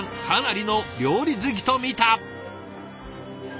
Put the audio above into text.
かなりの料理好きとみた！